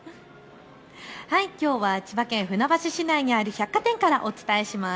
きょうは千葉県船橋市内にある百貨店からお伝えします。